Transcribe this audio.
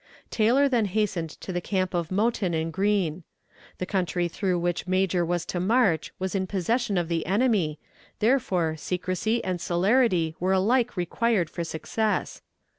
Taylor then hastened to the camp of Mouton and Green. The country through which Major was to march was in possession of the enemy, therefore secrecy and celerity were alike required for success.